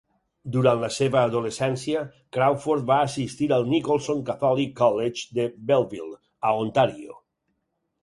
Durant la seva adolescència, Crawford va assistir al Nicholson Catholic College de Belleville, a Ontàrio.